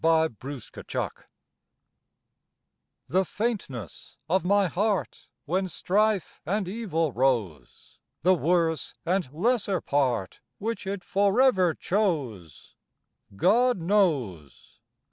CONFIDENCE The faintness of my heart When strife and evil rose, The worse and lesser part Which it for ever chose, God knows.